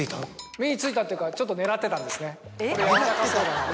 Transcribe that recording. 目についたっていうかちょっと狙ってたんですね。